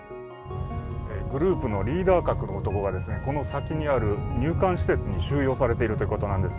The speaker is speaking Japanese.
グループのリーダー格の男がこの先にある入管施設に収容されているということなんです。